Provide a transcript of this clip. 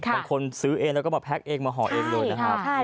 บางคนซื้อเองแล้วก็มาแพ็คเองมาห่อเองเลยนะครับ